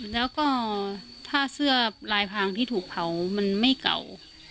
แล้วก็ถ้าเสื้อลายพังที่ถูกเผามันไม่เก่า